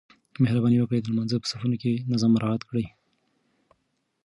مهرباني وکړئ د لمانځه په صفونو کې نظم مراعات کړئ.